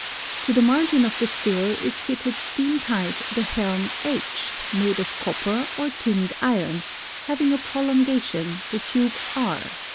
To the margin of the still is fitted steam tight the helm H, made of copper or tinned iron, having a prolongation, the tube R.